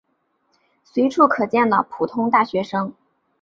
随处可见的普通大学生。